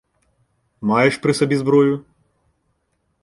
— Маєш при собі зброю?